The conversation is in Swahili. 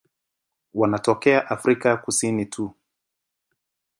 Wanatokea Afrika Kusini tu.